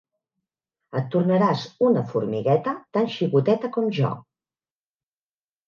Et tornaràs una formigueta tan xicoteta com jo.